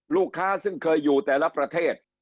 ลูกค้าซึ่งเคยอยู่แต่ละประเทศ